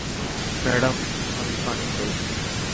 Madam, আমি পানি চাই।